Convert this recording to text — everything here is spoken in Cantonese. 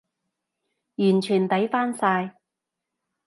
完全抵返晒